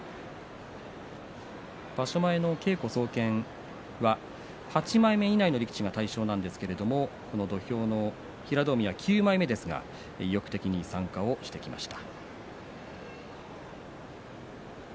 場所前の稽古総見は８枚目以内の力士が対象なんですけれどもこの土俵の平戸海は９枚目ですが意欲的に参加をしてきました。